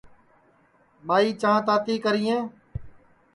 ٻائی چاں تاتی کرئے